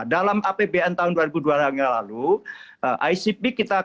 dalam apbn tahun dua ribu dua puluh tiga lalu icp kita